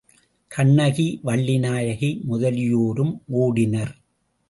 கண்ணகி, வள்ளி நாயகி முதலியோரும் ஓடினர்.